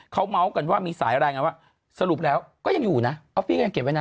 เค้าเมาท์กันว่ามีสายอะไรอย่างนี้ครับว่า